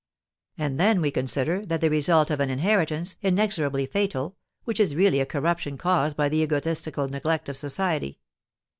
And then we consider that the result of an inheritance inexorably fatal, which is really a corruption caused by the egotistical neglect of society.